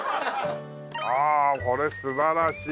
ああこれ素晴らしい。